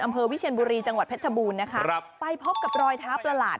อำเภอวิเชียนบุรีจังหวัดแพทย์ชะบูรณ์นะคะไปพบกับรอยเท้าประหลาด